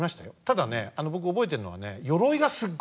ただね僕覚えてるのはね